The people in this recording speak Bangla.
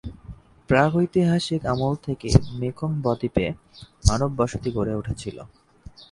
প্রাগৈতিহাসিক আমল থেকে মেকং ব-দ্বীপে মানব বসতি গড়ে উঠেছিল।